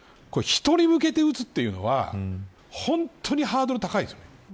人に向けて撃つというのは本当にハードルが高いんですよ。